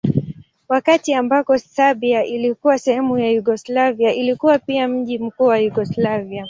Wakati ambako Serbia ilikuwa sehemu ya Yugoslavia ilikuwa pia mji mkuu wa Yugoslavia.